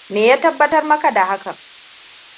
Me ya tabbatar maka da hakan?